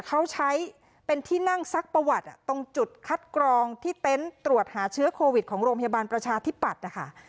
เขาใช้เป็นที่นั่งซักประวัติตรงจุดคัดกรองที่เต็นต์ตรวจหาเชื้อโควิดของโรงพยาบาลประชาธิปัตย์นะคะ